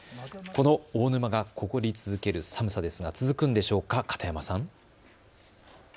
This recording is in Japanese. この大沼が凍り続ける寒さですが続くんでしょうか、片山さん。